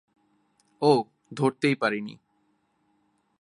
ও, ধরতেই পারিনি।